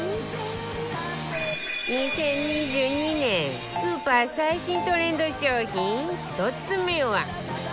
２０２２年スーパー最新トレンド商品１つ目は